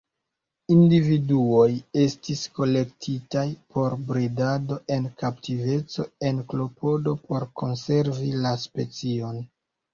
Individuoj estis kolektitaj por bredado en kaptiveco en klopodo por konservi la specion.